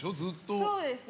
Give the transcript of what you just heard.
そうですね。